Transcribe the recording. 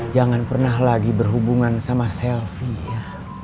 jangan pernah lagi berhubungan sama selfie ya